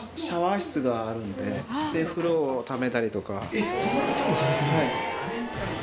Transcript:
えっそんな事もされてるんですか？